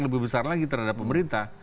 lebih besar lagi terhadap pemerintah